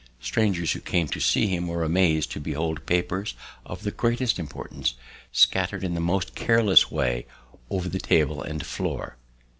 "Strangers who came to see him were amazed to behold papers of the greatest importance scattered in the most careless way over the table and floor."